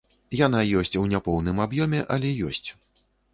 Яна ёсць у няпоўным аб'ёме, але ёсць.